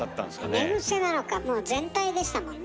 あれ寝癖なのかもう全体でしたもんね。